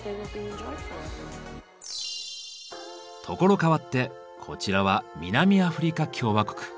所変わってこちらは南アフリカ共和国。